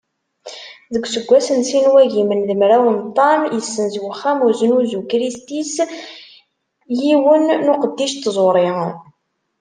Deg useggas n sin n wagimen d mraw n ṭam, issenz uxxam n uznuzu Christie’s yiwen n uqeddic n tẓuri.